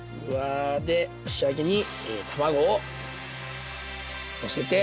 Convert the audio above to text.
で仕上げに卵をのせて。